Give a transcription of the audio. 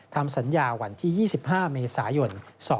ทำสัญญาวันที่๒๕เมษายน๒๕๖๒